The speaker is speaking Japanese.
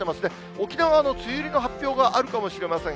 沖縄の梅雨入りの発表があるかもしれません。